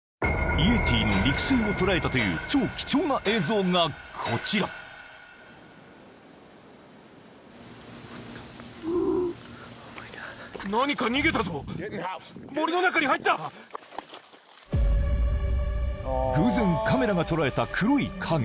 イエティの肉声をとらえたという超貴重な映像がこちら・ウォー偶然カメラが捉えた黒い影